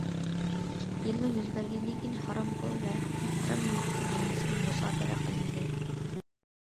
دېلو يۈز بەرگەندىن كېيىن، ھارام پۇل ۋە ھارام مۈلۈكنىڭ ھەممىسى مۇسادىرە قىلىندى.